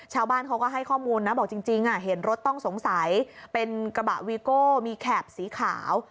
ชาวบ้านเขาก็ให้ข้อมูลนะบอกจริงเห็นรถต้องสงสัยเป็นกระบะวีโก้มีแข็บสีขาว